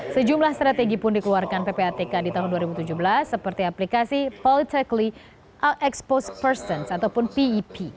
sejumlah strategi pun dikeluarkan ppatk di tahun dua ribu tujuh belas seperti aplikasi politically expose persons ataupun pep